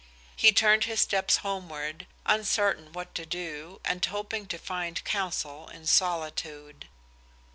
He turned his steps homeward, uncertain what to do, and hoping to find counsel in solitude.